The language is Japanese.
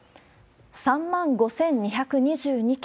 ３万５２２２件。